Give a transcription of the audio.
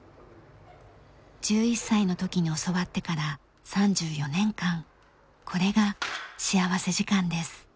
１１歳の時に教わってから３４年間これが幸福時間です。